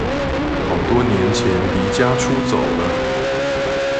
好多年前離家出走了